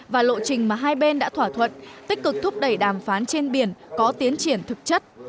và lộ trình mà hai bên đã thỏa thuận tích cực thúc đẩy đàm phán trên biển có tiến triển thực chất